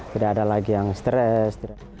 tidak ada lagi yang stres